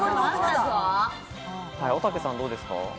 おたけさんどうですか？